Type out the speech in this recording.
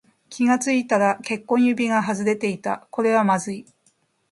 気がついたら結婚指輪が外れていた。これはまずい。